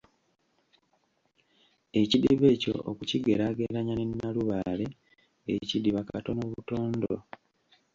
Ekidiba ekyo okukigeraageranya ne Nnalubale, ekidiba katondo butondo.